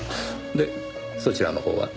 でそちらのほうは？